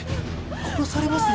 殺されますよ。